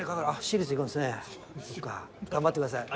頑張ってください。